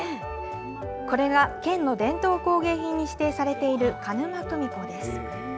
これが県の伝統工芸品に指定されている鹿沼組子です。